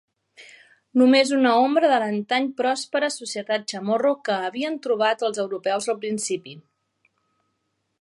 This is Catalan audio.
Només una ombra de l'antany pròspera societat Chamorro que havien trobat els europeus al principi.